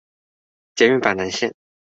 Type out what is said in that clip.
捷運板南線